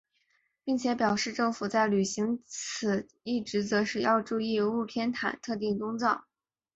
并且表示政府在履行此一职责时要注意勿偏袒特定宗教。